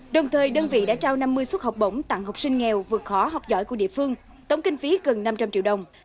đồng thời đơn vị đã trao năm mươi suất học bổng tặng học sinh nghèo vượt khó học giỏi của địa phương tổng kinh phí gần năm trăm linh triệu đồng